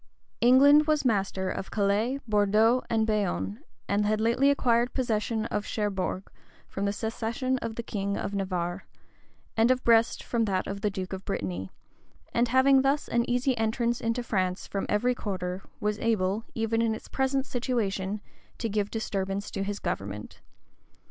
England was master of Calais, Bordeaux, and Bayonne; had lately acquired possession of Cherbourg from the cession of the king of Navarre, and of Brest from that of the duke of Brittany;[*] and having thus an easy entrance into France from every quarter, was able, even in its present situation, to give disturbance to his government.